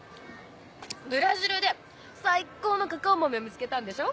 ブラジルで最高のカカオ豆を見つけたんでしょ？